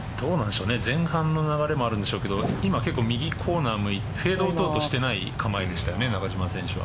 前半の流れもあるんでしょうけど今、右コーナーフェード打とうとしてない構えでしたよね、中島選手は。